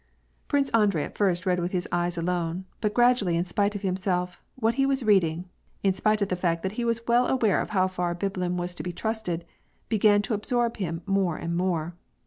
Prince Andrei at first read with his eyes alone, but gradually, in spite of himself, what he was reading — in spite of the fact that he was well aware of how far Biblin was to be trusted — began to absorb him more and more.